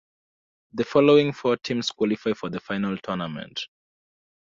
The following four teams qualify for the final tournament.